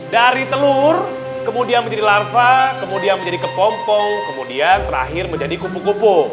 dari telur kemudian menjadi larva kemudian menjadi kepompo kemudian terakhir menjadi kupu kupu